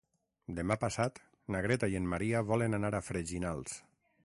Demà passat na Greta i en Maria volen anar a Freginals.